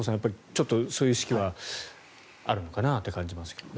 ちょっとそういう意識はあるのかなという感じですけどね。